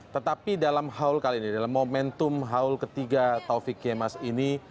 tetapi dalam haul kali ini dalam momentum haul ketiga taufik yemas ini